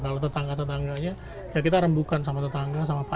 kalau tetangga tetangganya ya kita rembukan sama tetangga sama pacar